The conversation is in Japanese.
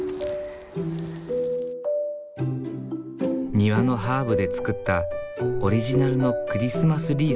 庭のハーブで作ったオリジナルのクリスマスリース。